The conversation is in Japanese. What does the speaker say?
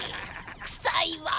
くさいわ。